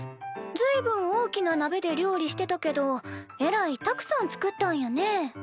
ずいぶん大きななべで料理してたけどえらいたくさん作ったんやね。